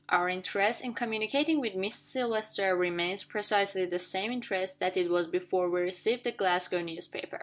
Our interest in communicating with Miss Silvester remains precisely the same interest that it was before we received the Glasgow newspaper.